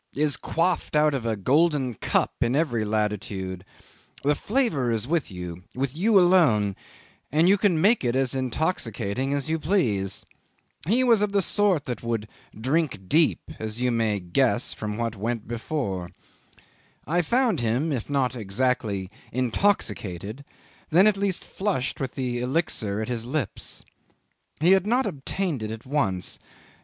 is quaffed out of a golden cup in every latitude: the flavour is with you with you alone, and you can make it as intoxicating as you please. He was of the sort that would drink deep, as you may guess from what went before. I found him, if not exactly intoxicated, then at least flushed with the elixir at his lips. He had not obtained it at once.